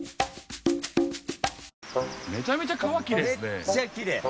めちゃめちゃ川きれいですね。